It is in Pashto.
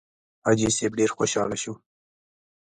حاجي صیب ډېر خوشاله شو.